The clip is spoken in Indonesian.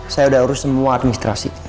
saya sudah urus semua administrasi